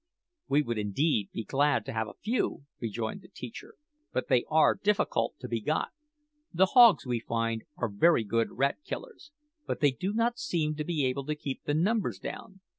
"We would indeed be glad to have a few," rejoined the teacher, "but they are difficult to be got. The hogs, we find, are very good rat killers; but they do not seem to be able to keep the numbers down.